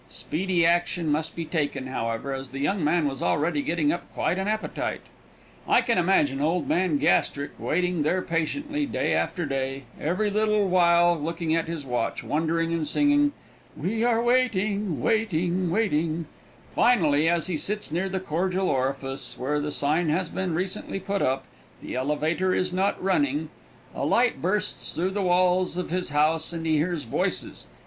Speedy action must be taken, however, as the young man was already getting up quite an appetite. I can imagine Old Man Gastric waiting there patiently, day after day, every little while looking at his watch, wondering, and singing: We are waiting, waiting, waiting, Finally, as he sits near the cardial orifice, where the sign has been recently put up, THE ELEVATOR IS NOT RUNNING, a light bursts through the walls of his house and he hears voices.